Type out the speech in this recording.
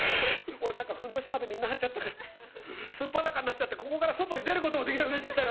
俺なんかふんどしまでみんな張っちゃったから素っ裸になっちゃってここから外に出ることもできなくなっちゃったよ」。